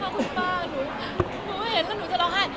หน้าสงสารจังเลยนะคะคุณป้า